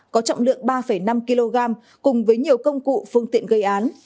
có trọng lượng ba năm kg cùng với nhiều công cụ phương tiện gây án